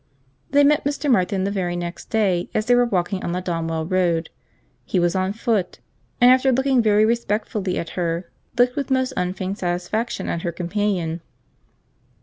They met Mr. Martin the very next day, as they were walking on the Donwell road. He was on foot, and after looking very respectfully at her, looked with most unfeigned satisfaction at her companion.